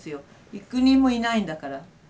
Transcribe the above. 幾人もいないんだから。